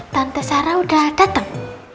tante sarah udah dateng